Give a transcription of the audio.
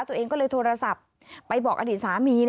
ตัวเองก็เลยโทรศัพท์ไปบอกอดีตสามี